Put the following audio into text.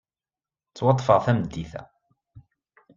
Ttwaṭṭfeɣ tameddit-a.